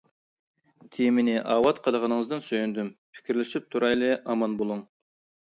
تېمىنى ئاۋات قىلغىنىڭىزدىن سۆيۈندۈم. پىكىرلىشىپ تۇرايلى ئامان بولۇڭ!